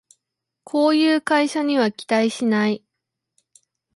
こういう会社には期待しない